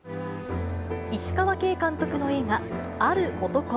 石川慶監督の映画、ある男。